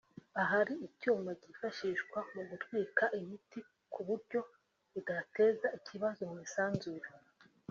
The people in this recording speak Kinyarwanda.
ahari icyuma cyifashishwa mu gutwika imiti ku buryo budateza ikibazo mu isanzure